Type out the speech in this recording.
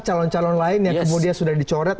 calon calon lain yang kemudian sudah dicoret